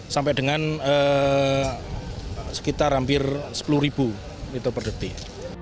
sampai dengan sekitar hampir sepuluh liter per detik